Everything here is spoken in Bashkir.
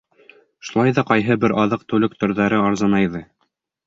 Шулай ҙа ҡайһы бер аҙыҡ-түлек төрҙәре арзанайҙы.